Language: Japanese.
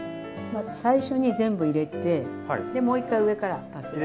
最初に全部入れてでもう１回上から足せば。